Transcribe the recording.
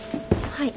はい。